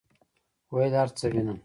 ویل هرڅه وینم،